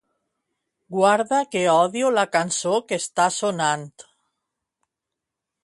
Guarda que odio la cançó que està sonant.